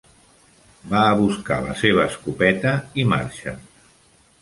Va a buscar la seva escopeta i marxa.